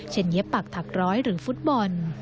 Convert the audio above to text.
เย็บปักถักร้อยหรือฟุตบอล